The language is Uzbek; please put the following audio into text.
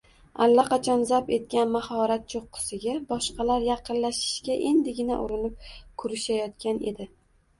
allaqachon zabt etgan mahorat cho‘qqisiga boshqalar yaqinlashishga endigina urinib ko‘rishayotgan edi.